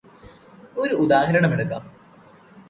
ഒരു ഉദാഹരണമെടുക്കാം.